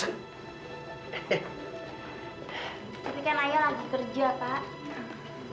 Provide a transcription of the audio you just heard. tapi kan ayo lagi kerja pak